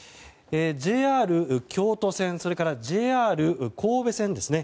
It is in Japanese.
ＪＲ京都線、それからＪＲ神戸線